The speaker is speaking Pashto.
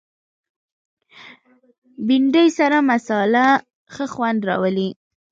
بېنډۍ سره مصالحه ښه خوند راولي